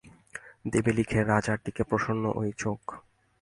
দেবে লিখে রাজার টিকে প্রসন্ন ওই চোখ!